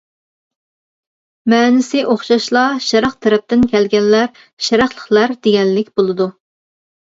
مەنىسى ئوخشاشلا «شەرق تەرەپتىن كەلگەنلەر، شەرقلىقلەر» دېگەنلىك بولىدۇ.